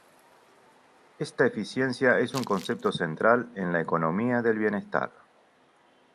Esta eficiencia es un concepto central en la economía del bienestar.